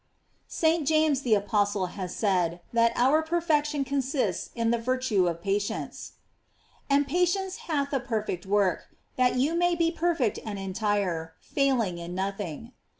ST. JAMES the Apostle has said, that our per fection consists in the virtue of patience. "And patience hath a perfect work, that you may be perfect and entire, failing in nothing."